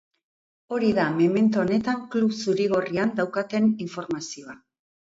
Hori da memento honetan klub zuri-gorrian daukaten informazioa.